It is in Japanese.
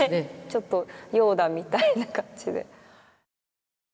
ちょっとヨーダみたいな感じで。